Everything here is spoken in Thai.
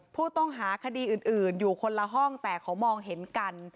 ผู้ต้องหาคดีอื่นอยู่คนละห้องแต่เขามองเห็นกัน